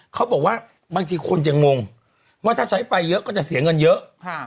เขาบอกว่าบางทีคนจะงงว่าถ้าใช้ไฟเยอะก็จะเสียเงินเยอะ